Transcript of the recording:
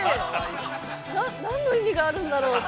◆何の意味があるんだろうって。